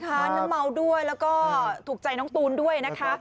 น้ำเมาด้วยแล้วก็ถูกใจน้องตูนด้วยนะคะ